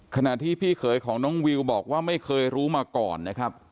ขณะที่พี่เขยของน้องวิวบอกว่าไม่เคยรู้มาก่อนนะครับ